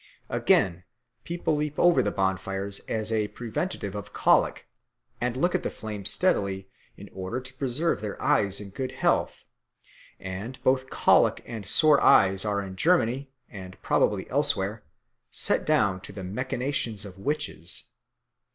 Again, people leap over the bonfires as a preventive of colic, and look at the flames steadily in order to preserve their eyes in good health; and both colic and sore eyes are in Germany, and probably elsewhere, set down to the machinations of witches.